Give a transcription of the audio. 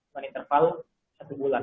dalam interval satu bulan